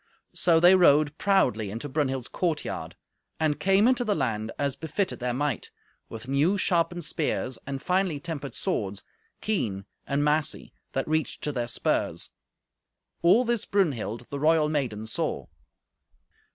So they rode proudly into Brunhild's courtyard, and came into the land as befitted their might, with new sharpened spears, and finely tempered swords, keen and massy, that reached to their spurs. All this Brunhild, the royal maiden, saw.